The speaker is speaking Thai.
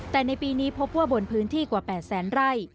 แต่ในปีนี้พบว่าบนพื้นที่กว่า๘แสนไร่